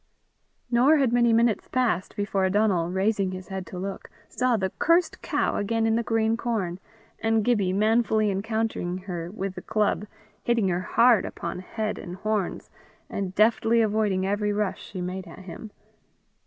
Nor had many minutes passed, before Donal, raising his head to look, saw the curst cow again in the green corn, and Gibbie manfully encountering her with the club, hitting her hard upon head and horns, and deftly avoiding every rush she made at him.